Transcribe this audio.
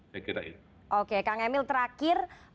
saya kira itu oke kang emil terakhir